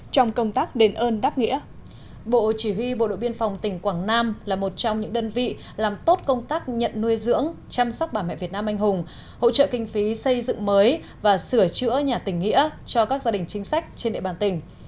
trong công tác đền ơn đáp nghĩa bộ chỉ huy bộ đội biên phòng tỉnh quảng nam là một trong những đơn vị làm tốt công tác nhận nuôi dưỡng chăm sóc bà mẹ việt nam anh hùng hỗ trợ kinh phí xây dựng mới và sửa chữa nhà tỉnh nghĩa cho các gia đình chính sách trên địa bàn tỉnh